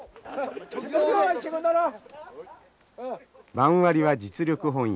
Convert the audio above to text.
番割りは実力本位。